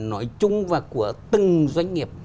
nói chung và của từng doanh nghiệp